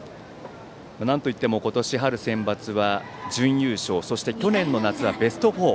なんといっても今年、春センバツは準優勝そして、去年の夏はベスト４。